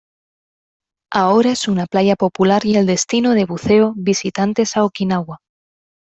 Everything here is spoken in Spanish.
Ahora es una playa popular y el destino de buceo visitantes a Okinawa.